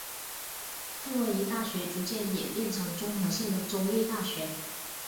特洛伊大学逐渐演变成综合性的州立大学。